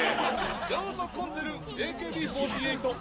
ショートコンツェルン「ＡＫＢ４８」。